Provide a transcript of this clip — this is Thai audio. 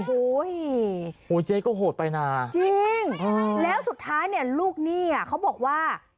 โอ้โหเจ๊ก็โหดไปนะจริงแล้วสุดท้ายเนี่ยลูกหนี้อ่ะเขาบอกว่า